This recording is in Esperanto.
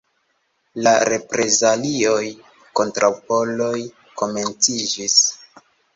La reprezalioj kontraŭ poloj komenciĝis.